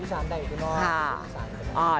อ๋ออีสาวอีสานได้หรือเปล่าค่ะ